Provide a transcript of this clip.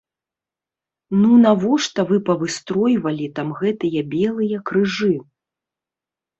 Ну навошта вы павыстройвалі там гэтыя белыя крыжы?